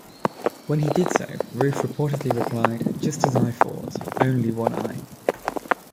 When he did so, Ruth reportedly replied, Just as I thought; only one I.